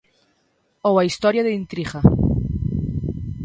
Ou a historia de intriga.